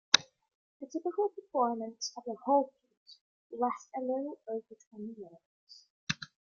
A typical performance of the whole piece will last a little over twenty minutes.